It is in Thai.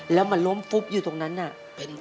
แล้วมันล้มฟุบอยู่ตรงนั้นน่ะ